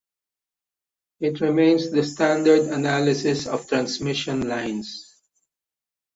It remains the standard analysis of transmission lines.